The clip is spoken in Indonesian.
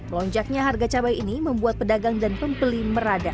lonjaknya harga cabai ini membuat pedagang dan pembeli meradak